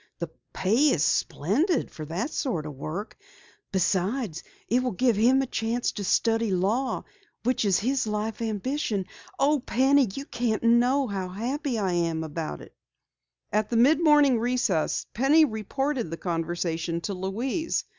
The pay is splendid for that sort of work. Besides, it will give him a chance to study law, which is his life ambition. Oh, Penny, you can't know how happy I am about it!" At the mid morning recess, Penny reported the conversation to Louise.